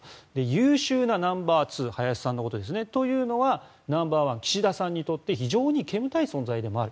優秀なナンバーツー林さんのことですね。というのはナンバーワン、岸田さんにとって非常に煙たい存在でもある。